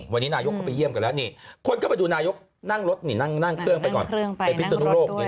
วันนี้นายกเข้าไปเยี่ยมกันแล้วคนก็ไปดูนายกนั่งเครื่องไปก่อน